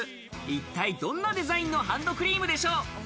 一体どんなデザインのハンドクリームでしょう。